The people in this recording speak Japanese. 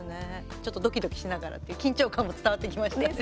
ちょっとドキドキしながら緊張感も伝わってきましたね。